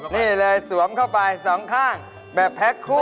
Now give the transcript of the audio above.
นี่เลยสวมเข้าไปสองข้างแบบแพ็คคู่